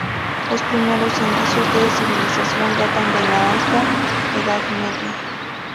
Los primeros indicios de civilización datan de la Alta Edad Media.